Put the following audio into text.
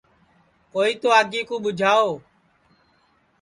کوئی تو آگی کُو ٻُوجھاؤ